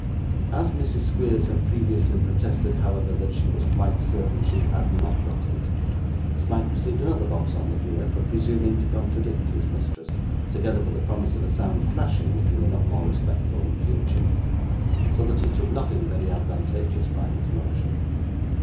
As Mrs. Squeers had previously protested, however, that she was quite certain she had not got it, Smike received another box on the ear for presuming to contradict his mistress, together with a promise of a sound thrashing if he were not more respectful in future; so that he took nothing very advantageous by his motion.